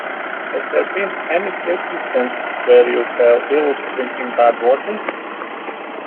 Has there been any circumstance where you fell ill drinking bad water?